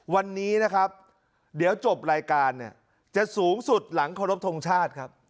วันนี้นะครับเดี๋ยวจบรายการเนี่ยจะสูงสุดหลังเคารพทงชาติครับ